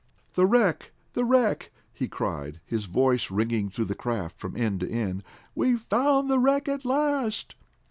"The wreck! The wreck!" he cried, his voice ringing through the craft from end to end. "We've found the wreck at last!"